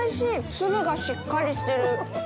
粒がしっかりしてる。